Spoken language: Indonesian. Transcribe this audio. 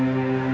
ya udah om baik